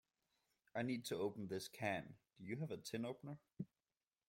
I need to open this can. Do you have a tin opener?